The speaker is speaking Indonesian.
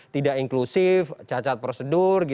tidak inklusif cacat prosedur